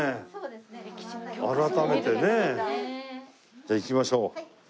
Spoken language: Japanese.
じゃあ行きましょう。